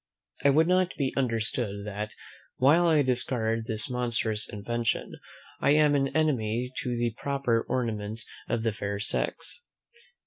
I would not be understood that, while I discard this monstrous invention, I am an enemy to the proper ornaments of the fair sex.